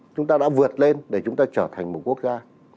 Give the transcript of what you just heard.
chúng ta đã vượt lên để chúng ta trở thành một quốc gia